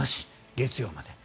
月曜まで。